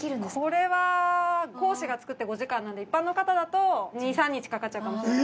◆これは講師が作って５時間なので一般の方だと２３日かかっちゃうかもしれない。